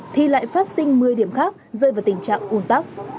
thì lại phát sinh một mươi điểm khác rơi vào tình trạng ồn tắc